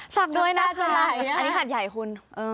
สักด้วยนะคะอันนี้หัดใหญ่คุณ